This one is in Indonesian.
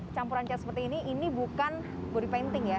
campuran cat seperti ini ini bukan body painting ya